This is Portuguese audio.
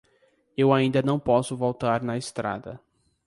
Eu ainda não posso voltar na estrada.